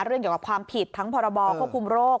เกี่ยวกับความผิดทั้งพรบควบคุมโรค